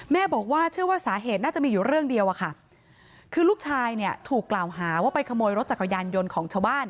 แม่บอกว่าเชื่อว่าสาเหตุน่าจะมีอยู่เรื่องเดียวอะค่ะคือลูกชายเนี่ยถูกกล่าวหาว่าไปขโมยรถจักรยานยนต์ของชาวบ้าน